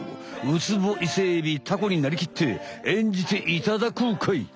ウツボイセエビタコになりきって演じていただこうかい。